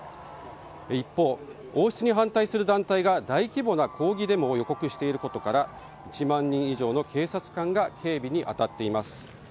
一方王室に反対する団体が大規模な抗議デモを予告していることから１万人以上の警察官が警備に当たっています。